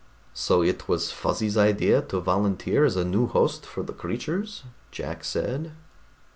"So it was Fuzzy's idea to volunteer as a new host for the creatures," Jack said.